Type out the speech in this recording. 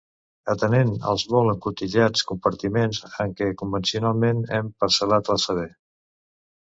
...atenent els molt encotillats compartiments en què convencionalment hem parcel·lat el saber.